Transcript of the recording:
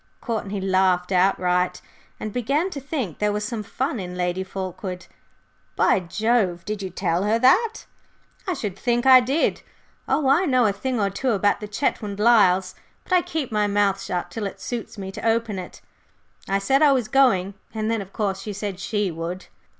'" Courtney laughed outright, and began to think there was some fun in Lady Fulkeward. "By Jove! Did you tell her that?" "I should think I did! Oh, I know a thing or two about the Chetwynd Lyles, but I keep my mouth shut till it suits me to open it. I said I was going, and then, of course, she said she would."